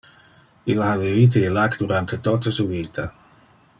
Ille ha vivite illac durante tote su vita.